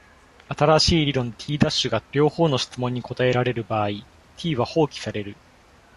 新しい理論 T' が両方の質問に答えられる場合、T は放棄される。